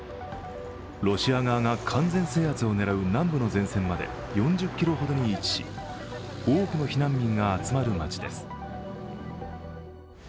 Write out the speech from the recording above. ロシア側が完全制圧を狙う南部の前線まで４０ｋｍほどに位置し多くの避難民が集まる街です。